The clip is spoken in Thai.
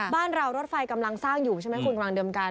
บ้านเรารถไฟกำลังสร้างอยู่ใช่ไหมคุณกำลังเดิมกัน